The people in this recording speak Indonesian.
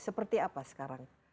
seperti apa sekarang